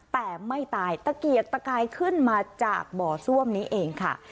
แต่ไม่ตายตะเกียกตะกายขึ้นมาจากบ่อซ่วมนี้เองค่ะ